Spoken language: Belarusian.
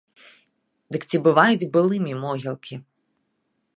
Дык ці бываюць былымі могілкі?